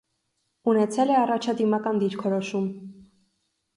Ունեցել է առաջադիմական դիրքորոշում։